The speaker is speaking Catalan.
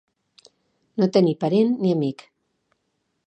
No tenir parent ni amic.